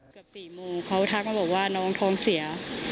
เกือบสี่โมงเขาทักคำว่าน้องท้องเสีย